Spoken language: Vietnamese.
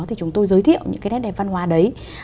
thì chúng tôi giới thiệu những cái nét đẹp văn hóa đấy